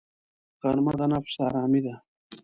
غرمه د نفس آرامي ده